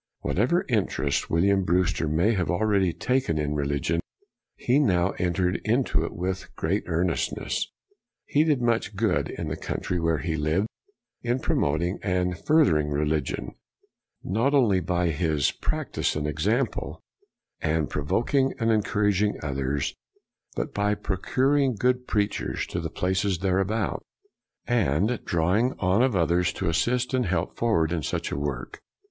Whatever interest William Brewster may have already taken in religion, he now entered into it with great earnest ness. " He did much good in the coun try where he lived in promoting and furthering religion, not only by his prac tice and example, and provoking and encouraging others, but by procuring good preachers to the places thereabout, and drawing on of others to assist and help forward in such a work."